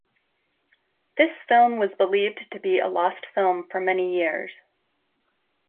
This film was believed to be a lost film for many years.